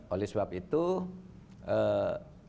oleh sebab itu kita